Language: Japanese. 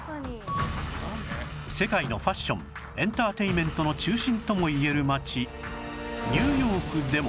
世界のファッション・エンターテインメントの中心ともいえる街ニューヨークでも